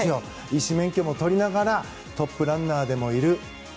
医師免許も追いながらトップランナーでもいる。